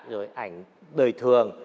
rồi ảnh đời thường